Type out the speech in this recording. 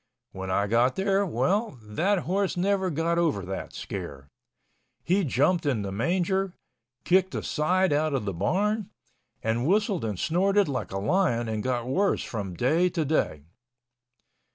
When I got there—well, that horse never got over that scare. He jumped in the manger, kicked the side out of the barn, and whistled and snorted like a lion and got worse from day to day.